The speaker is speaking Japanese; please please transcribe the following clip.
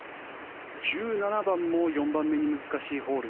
１７番も４番目に難しいホール。